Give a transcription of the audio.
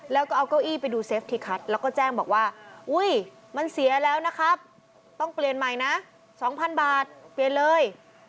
แล้วก็เอาเก้าอี้ไปดูเซฟที่คัทแล้วก็แจ้งบอกว่าอุ้ยมันเสียแล้วนะครับต้องเปลี่ยนใหม่นะ๒๐๐บาทเปลี่ยนเลย